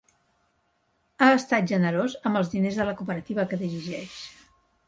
Ha estat generós amb els diners de la cooperativa que dirigeix.